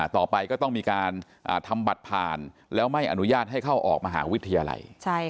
ต่อไปก็ต้องมีการทำบัตรผ่านแล้วไม่อนุญาตให้เข้าออกมหาวิทยาลัย